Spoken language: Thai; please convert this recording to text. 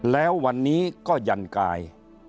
แล้ววันนี้ก็ยันกาย